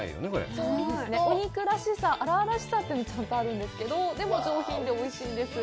そうですね、お肉らしさ、荒々しさというのはちゃんとあるんですけど、でも、上品でおいしいんです。